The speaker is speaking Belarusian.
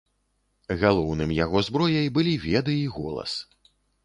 Галоўным яго зброяй былі веды і голас.